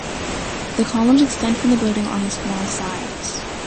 The columns extend from the building on its long sides.